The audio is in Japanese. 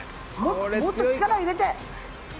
もっと力入れて！